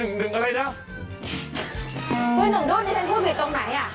ฟืนหนึ่งดุ้นนี่ฉันพูดผิดตรงไหนอะ